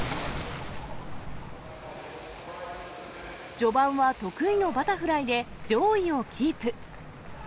序盤は得意のバタフライで上位をキープ。